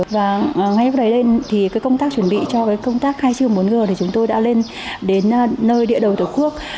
và ngay lúc đấy lên thì công tác chuẩn bị cho công tác khai trương bốn g thì chúng tôi đã lên đến nơi địa đầu tổ quốc